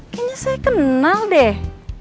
kayaknya saya kenal deh